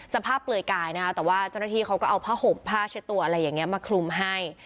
เปลือยกายนะคะแต่ว่าเจ้าหน้าที่เขาก็เอาผ้าห่มผ้าเช็ดตัวอะไรอย่างนี้มาคลุมให้